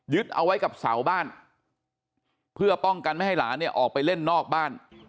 เอาไว้กับเสาบ้านเพื่อป้องกันไม่ให้หลานเนี่ยออกไปเล่นนอกบ้าน